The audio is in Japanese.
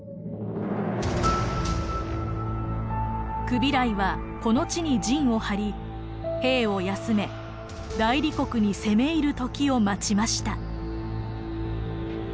クビライはこの地に陣を張り兵を休め大理国に攻め入る時を待ちました。